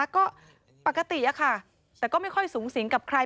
ก็ปกติอะค่ะแต่ก็ไม่ค่อยสูงสิงกับใคร